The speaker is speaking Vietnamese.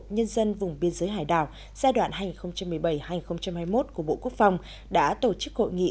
nhân dân vùng biên giới hải đảo giai đoạn hai nghìn một mươi bảy hai nghìn hai mươi một của bộ quốc phòng đã tổ chức hội nghị